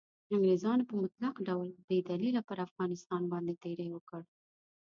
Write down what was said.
انګریزانو په مطلق ډول بې دلیله پر افغانستان باندې تیری وکړ.